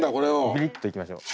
メリッといきましょう。